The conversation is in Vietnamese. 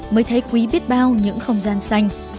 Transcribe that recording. mới thấy quý biết bao những không gian xanh